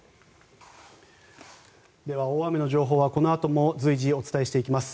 では、大雨の情報はこのあとも随時、お伝えしていきます。